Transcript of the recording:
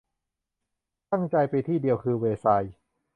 ตั้งใจไปที่เดียวคือแวร์ซายน์